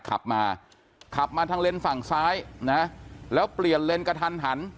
ขับมาขับมาทางเลนส์ฝั่งซ้ายนะแล้วเปลี่ยนเลนกระทันหัน